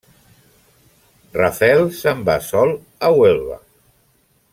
Rafael se'n va sol a Huelva.